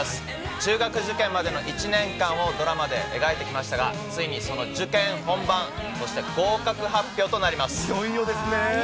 中学受験までの１年間をドラマで描いてきましたが、ついにその受験本番、いよいよですね。